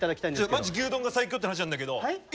マジ牛丼が最強って話なんだけどいい？